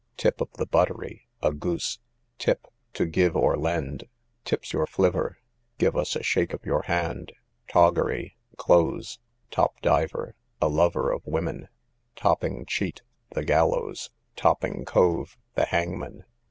Tip of the buttery, a goose. Tip, to give or lend. Tip's your flipper, give us a shake of your hand. Toggery, clothes. Top diver, a lover of women. Topping cheat, the gallows. Topping cove, the hangman.